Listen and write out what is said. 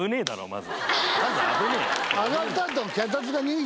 まず。